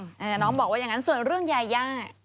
แต่น้องน้องบอกแบบอย่างนั้นเสร็จเรื่องแย่